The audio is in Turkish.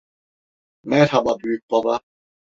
Merhaba büyükbaba.